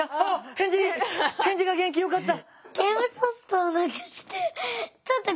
返事が元気よかった！